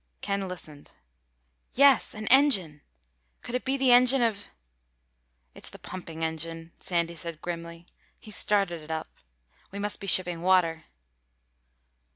Ken listened. "Yes! An engine! Could it be the engine of—?" "It's the pumping engine," Sandy said grimly. "He's started it up. We must be shipping water."